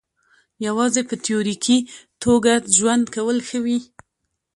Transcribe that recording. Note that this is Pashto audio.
یوازې په تیوریکي توګه ژوند کول ښه وي.